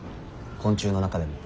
昆虫の中でも。